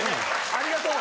・・ありがとう！